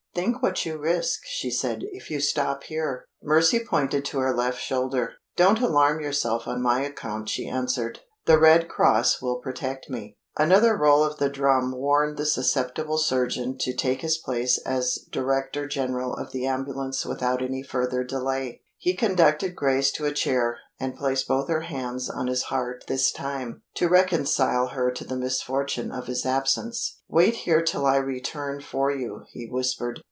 "Think what you risk," she said "if you stop here." Mercy pointed to her left shoulder. "Don't alarm yourself on my account," she answered; "the red cross will protect me." Another roll of the drum warned the susceptible surgeon to take his place as director general of the ambulance without any further delay. He conducted Grace to a chair, and placed both her hands on his heart this time, to reconcile her to the misfortune of his absence. "Wait here till I return for you," he whispered.